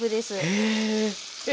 へえ。